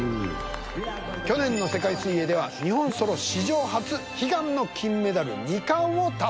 去年の世界水泳では日本ソロ史上初悲願の金メダル２冠を達成。